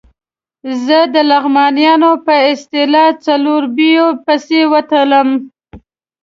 زه د لغمانیانو په اصطلاح ځلوبیو پسې وتلم.